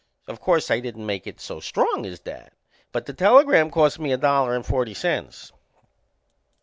O' course I didn't make it so strong as that but the telegram cost me a dollar and forty cents.